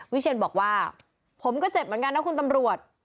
เชียนบอกว่าผมก็เจ็บเหมือนกันนะคุณตำรวจ